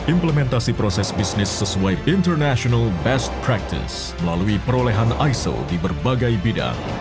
implementasi proses bisnis sesuai international best practice melalui perolehan iso di berbagai bidang